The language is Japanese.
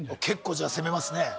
結構じゃあ攻めますね